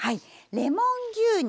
レモン牛乳？